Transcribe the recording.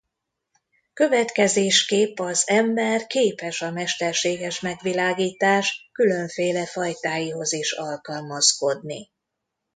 Következésképp az ember képes a mesterséges megvilágítás különféle fajtáihoz is alkalmazkodni.